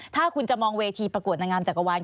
ถ้าคุณจะมองเวทีประกวดนางงามจักรวาล